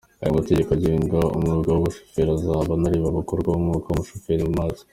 Aya mategeko agenga umwuga w’ubushoferi azaba anareba abakora umwuga w’ubushoferi mu mazi.